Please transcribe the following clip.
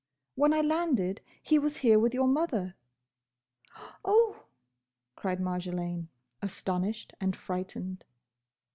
"When I landed, he was here with your mother." "Oh!" cried Marjolaine, astonished and frightened.